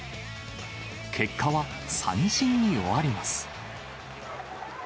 結果は三振に終わります。